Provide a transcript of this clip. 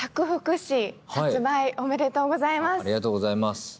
おめでとうございます。